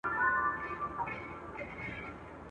له هراته تر زابله سره یو کور د افغان کې.